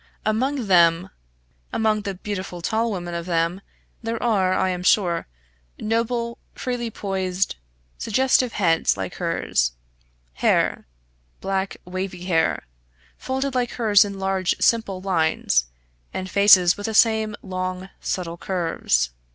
Among them, among the beautiful tall women of them, there are, I am sure, noble, freely poised, suggestive heads like hers hair, black wavy hair, folded like hers in large simple lines, and faces with the same long, subtle curves.